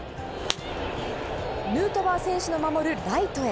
ヌートバー選手の守るライトへ。